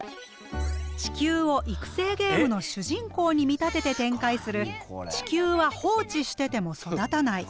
地球を育成ゲームの主人公に見立てて展開する「地球は放置してても育たない」。